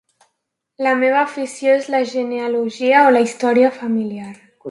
La meva afició és la genealogia o la història familiar.